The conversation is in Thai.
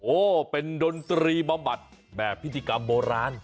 เป็นดนตรีบำบัดแบบพิธีกรรมโบราณ